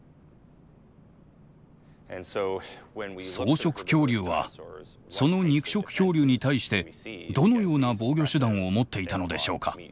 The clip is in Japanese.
草食恐竜はその肉食恐竜に対してどのような防御手段を持っていたのでしょうか。